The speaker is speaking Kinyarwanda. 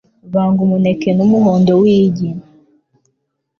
Vanga umuneke n'umuhondo w'igi